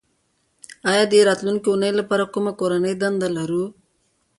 ایا د راتلونکې اونۍ لپاره کومه کورنۍ دنده لرو